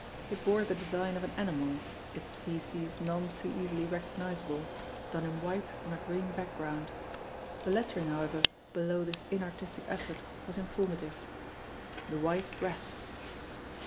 It bore the design of an animal, its species none too easily recognisable, done in white on a green background; the lettering, however, below this inartistic effort was informative: THE WHITE RAT.